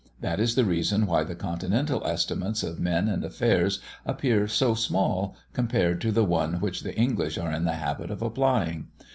That is the reason why the continental estimates of men and affairs appear so small, compared to the one which the English are in the habit of applying.